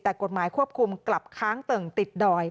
แต่กฎหมายควบคุมกลับค้างเติ่งติดดอย